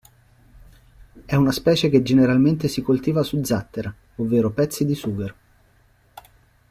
È una specie che generalmente si coltiva su zattera, ovvero pezzi di sughero.